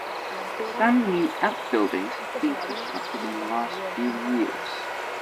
Some new outbuildings have been constructed in the last few years.